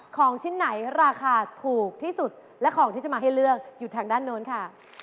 ของชิ้นไหนราคาถูกที่สุดและของที่จะมาให้เลือกอยู่ทางด้านโน้นค่ะ